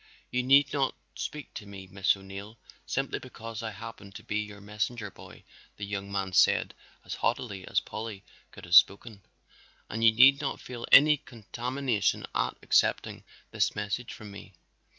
"You need not speak to me, Miss O'Neill, simply because I happen to be your messenger boy," the young man said as haughtily as Polly could have spoken. "And you need not feel any contamination at accepting this message from me.